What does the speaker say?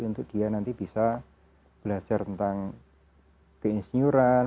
untuk dia nanti bisa belajar tentang keinsyuran